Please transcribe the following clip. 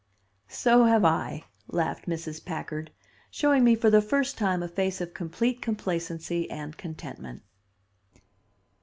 "So have I," laughed Mrs. Packard, showing me for the first time a face of complete complacency and contentment.